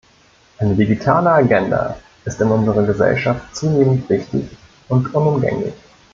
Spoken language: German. Eine "Digitale Agenda" ist in unserer Gesellschaft zunehmend wichtig und unumgänglich.